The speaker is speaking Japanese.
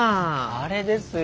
あれですよ。